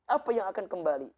apa yang akan kembali